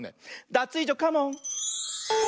ダツイージョカモン！